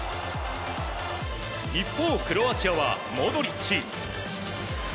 一方、クロアチアはモドリッチ！